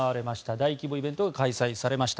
大規模イベントが開催されました。